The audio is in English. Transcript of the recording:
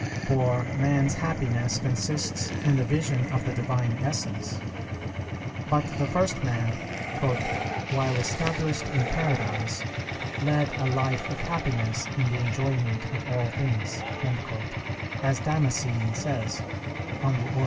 For man's happiness consists in the vision of the Divine Essence. But the first man, "while established in paradise, led a life of happiness in the enjoyment of all things," as Damascene says (De Fide Orth.